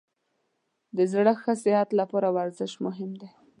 د زړه ښه صحت لپاره ورزش مهم دی.